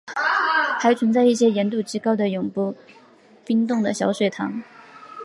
还存在一些盐度极高的永不冰冻的小水塘。